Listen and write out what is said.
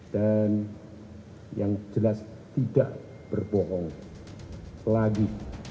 dan yang jelas tidak berbohong lagi